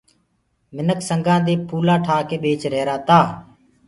منک سنگآ دي ڦولآ ٺآڪي ٻيچدآ رهيرآ تآ۔